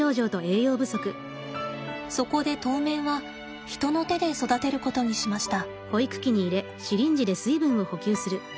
そこで当面は人の手で育てることにしました。